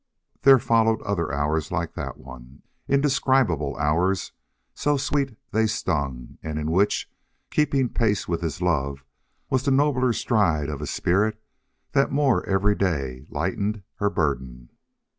There followed other hours like that one, indescribable hours, so sweet they stung, and in which, keeping pace with his love, was the nobler stride of a spirit that more every day lightened her burden.